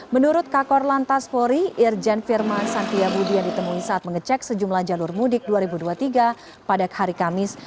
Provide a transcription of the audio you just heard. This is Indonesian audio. menurut kakor lantas pori irjen firman santiabudi yang ditemui saat mengecek sejumlah jalur mudik dua ribu dua puluh tiga pada hari kamis